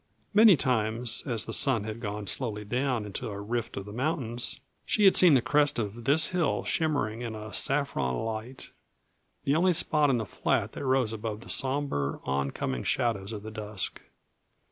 Many times, as the sun had gone slowly down into a rift of the mountains, she had seen the crest of this hill shimmering in a saffron light; the only spot in the flat that rose above the somber, oncoming shadows of the dusk.